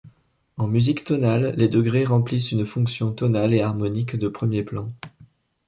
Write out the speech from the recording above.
En musique tonale, les degrés remplissent une fonction tonale et harmonique de premier plan.